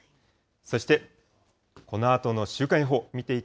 そして、このあとの週間予報、見